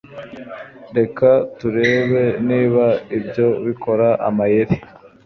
Reka turebe niba ibyo bikora amayeri